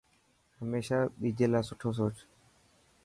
هميشا ٻجي لاءِ سٺو سوچ.